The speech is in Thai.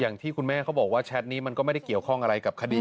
อย่างที่คุณแม่เขาบอกว่าแชทนี้มันก็ไม่ได้เกี่ยวข้องอะไรกับคดี